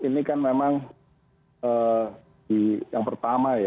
ini kan memang yang pertama ya